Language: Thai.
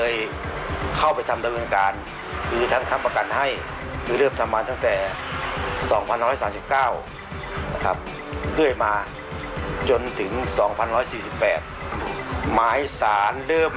ยาท่าน้ำขาวไทยนครเพราะทุกการเดินทางของคุณจะมีแต่รอยยิ้ม